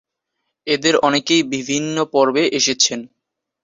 এদের অনেকেই বিভিন্ন পর্বে এসেছেন।